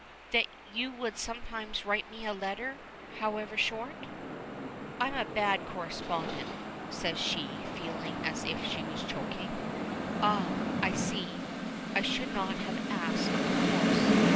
"That you would sometimes write me a letter however short." "I am a bad correspondent," says she, feeling as if she were choking. "Ah! I see. I should not have asked, of course.